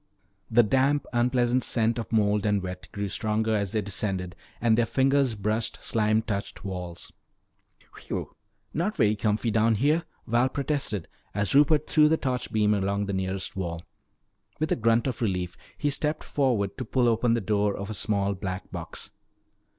The damp, unpleasant scent of mold and wet grew stronger as they descended, and their fingers brushed slime touched walls. "Phew! Not very comfy down here," Val protested as Rupert threw the torch beam along the nearest wall. With a grunt of relief he stepped forward to pull open the door of a small black box.